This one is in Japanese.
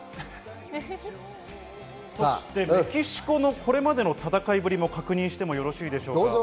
メキシコのこれまでの戦いぶりも確認してよろしいですか。